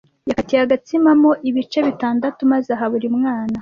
Yakatiye agatsima mo ibice bitandatu maze aha buri mwana.